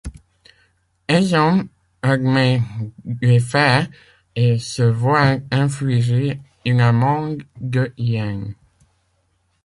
Aizome admet les faits et se voit infliger une amende de Yens.